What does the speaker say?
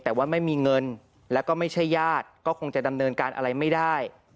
แต่ว่าไม่มีเงินแล้วก็ไม่ใช่ญาติก็คงจะดำเนินการอะไรไม่ได้